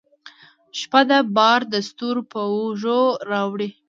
شپه ده بار دستورو په اوږو راوړي